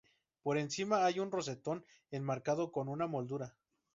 Por encima hay un rosetón enmarcado con una moldura.